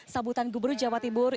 sabutan gubernur jawa timur